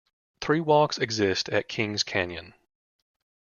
Three walks exist at Kings Canyon.